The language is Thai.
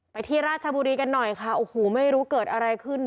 ที่ราชบุรีกันหน่อยค่ะโอ้โหไม่รู้เกิดอะไรขึ้น